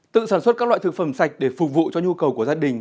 tự sản xuất các loại thực phẩm sạch để phục vụ cho nhu cầu của gia đình